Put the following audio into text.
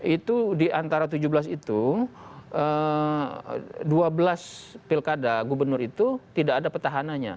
itu di antara tujuh belas itu dua belas pilkada gubernur itu tidak ada petahananya